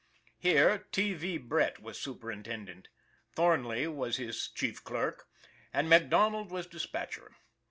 Here, T. V. Brett was superintendent; Thornley was his chief clerk; and MacDonald was dispatcher.